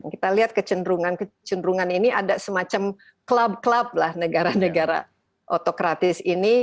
kita lihat kecenderungan kecenderungan ini ada semacam klub klub lah negara negara otokratis ini